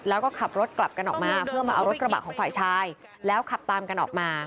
แล้วก็ขับรถกลับกันออกมาเพื่อมาเอารถกระบะของฝ่ายชายแล้วขับตามกันออกมา